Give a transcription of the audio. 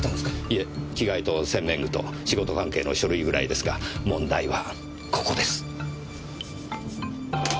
いえ着替えと洗面具と仕事関係の書類ぐらいですが問題はここです！